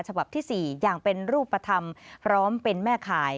ฉบับที่๔อย่างเป็นรูปธรรมพร้อมเป็นแม่ข่าย